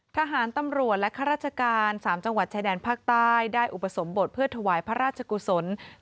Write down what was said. ทหารตำรวจและข้าราชการ๓จังหวัดชายแดนภาคใต้ได้อุปสมบทเพื่อถวายพระราชกุศล